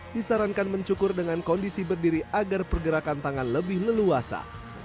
disarankan mencukur dengan kondisi berdiri agar pergerakan tangan lebih leluasa